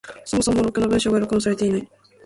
そもそもろくな文章が録音されていない。